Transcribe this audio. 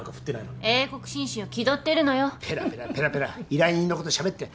ペラペラペラペラ依頼人のことしゃべって。